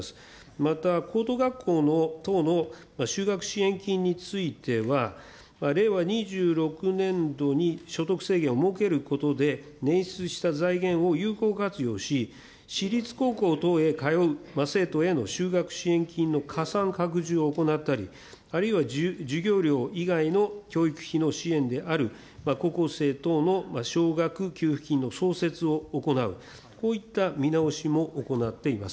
また高等学校等の就学支援金については、令和２６年度に所得制限を設けることで捻出した財源を有効活用し、私立高校等へ通う生徒への就学支援金の加算拡充を行ったり、あるいは授業料以外の教育費の支援である、高校生等の奨学給付金の創設を行う、こういった見直しも行っています。